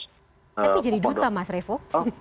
tapi jadi duta mas revo